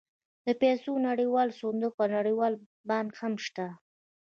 د پیسو نړیوال صندوق او نړیوال بانک هم شته